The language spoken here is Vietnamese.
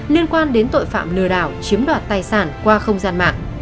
liên quan đến tội phạm lừa đảo chiếm đoạt tài sản qua không gian mạng